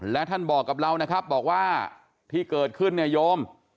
และท่านบอกกับเรานะครับบอกว่าที่เกิดขึ้นเนี่ยโยม